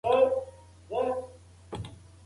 که چیرته خلک مناسبې هوکړې وتړي، ګډ ژوند به اسانه سي.